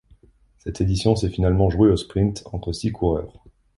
Cette édition s'est finalement jouée au sprint entre six coureurs.